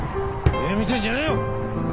上見てんじゃねえよ！